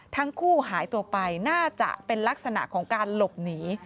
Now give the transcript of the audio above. ทั้งคู่หายตัวไปน่าจะเป็นลักษณะของการหลบหนี